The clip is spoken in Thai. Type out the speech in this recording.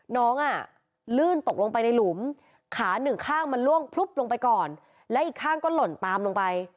น้องอ่ะลื่นตกลงไปในหลุมขาหนึ่งข้างมันล่วงพลุบลงไปก่อนและอีกข้างก็หล่นตามลงไป